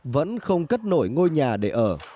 vẫn không cất nổi ngôi nhà để ở